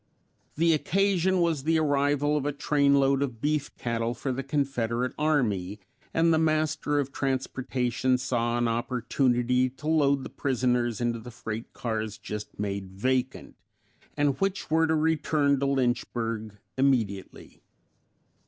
The occasion was the arrival of a trainload of beef cattle for the Confederate army, and the master of transportation saw an opportunity to load the prisoners into the freight cars just made vacant and which were to return to Lynchburg immediately.